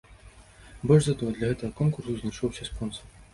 Больш за тое, для гэтага конкурсу знайшоўся спонсар.